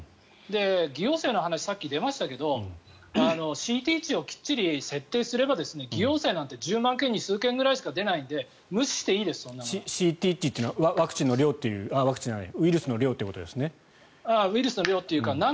偽陽性の話さっき出ましたけどＣｔ値をしっかり設定すれば偽陽性なんて１０万件に１件ぐらいしか出ないのでＣｔ値というのはウイルスの量というか皆さんにご質問を頂きました。